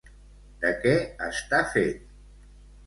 De què està fet?